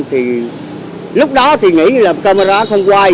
thì lúc đó thì nghĩ là camera không quay